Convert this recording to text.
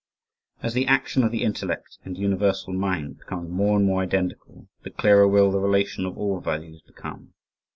As the action of the intellect and universal mind becomes more and more identical, the clearer will the relation of all values become.